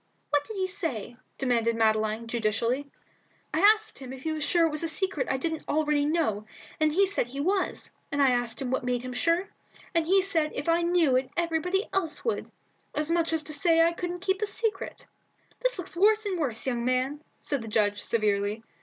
"What did he say?" demanded Madeline, judicially. "I asked him if he was sure it was a secret that I didn't know already, and he said he was; and I asked him what made him sure, and he said because if I knew it everybody else would. As much as to say I couldn't keep a secret." "This looks worse and worse, young man," said the judge, severely.